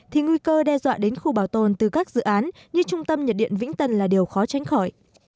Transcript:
hứa dọa đến khu bảo tồn từ các dự án như trung tâm nhật điện vĩnh tân là điều khó tránh khỏi